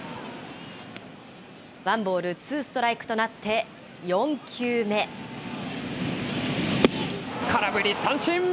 ワンボール、ツーストライクとな空振り三振。